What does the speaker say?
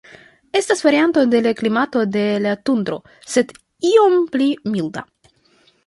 Estas varianto de la klimato de la tundro, sed iom pli milda.